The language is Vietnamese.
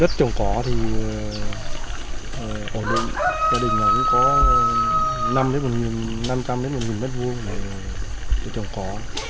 đất trồng cỏ thì ổn định gia đình nó cũng có năm trăm linh một nghìn mét vuông để trồng cỏ